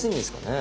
ね